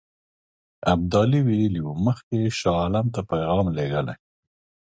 ابدالي ویلي وو مخکې یې شاه عالم ته پیغام لېږلی.